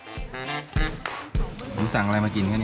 โรยหน้าด้วยผักชีหมูยอกระเทียมเจียวแค่นี้ก็พร้อมเสิร์ฟ